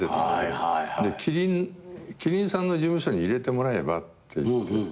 「希林さんの事務所に入れてもらえば」って言って。